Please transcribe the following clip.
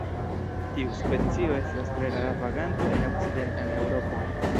Tiu specio estas tre rara vaganto en okcidentan Eŭropon.